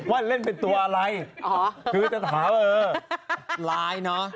ว่าเล่นเป็นตัวอะไรคือจะถามว่าเออร้ายเนอะ